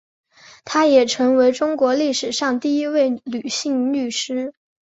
她也成为中国历史上第一位女性律师。